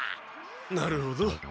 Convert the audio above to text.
なるほど。